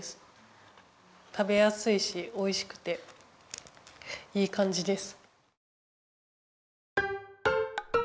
食べやすいしおいしくていいかんじです。